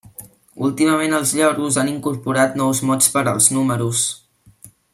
Últimament els lloros han incorporat nous mots per als números.